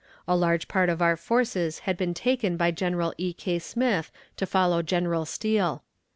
A large part of our forces had been taken by General E. K. Smith to follow General Steele.